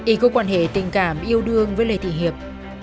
y có quan hệ tình cảm yêu đương với lê thị hiệp